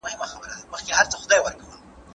ماشومې هڅې تل مثبته پایله نه ورکوي.